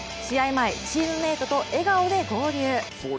前、チームメートと笑顔で合流。